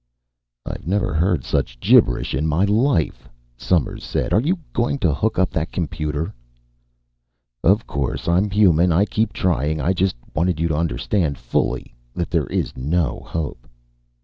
"I've never heard such gibberish in my life," Somers said. "Are you going to hook up that computer?" "Of course. I'm a human. I keep trying. I just wanted you to understand fully that there is no hope."